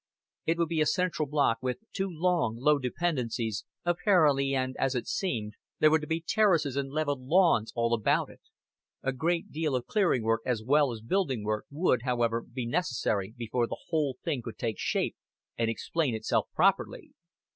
It would be a central block with two long, low dependencies, apparently, and, as it seemed, there were to be terraces and leveled lawns all about it; a great deal of clearing work as well as building work would, however, be necessary before the whole thing could take shape and explain itself properly.